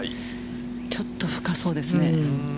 ちょっと深そうですね。